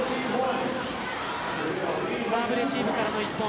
サーブレシーブからの１本。